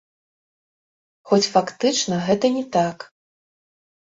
Хоць фактычна гэта не так.